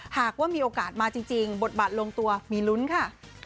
หากว่ามีโอกาสมาจริงบทบาทลงตัวมีลุ้นค่ะ